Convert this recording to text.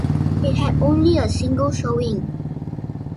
It had only a single showing.